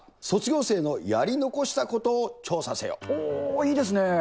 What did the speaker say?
卒業生のやり残したことを調査せいいですね。